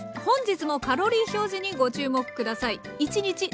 本日もカロリー表示にご注目下さい。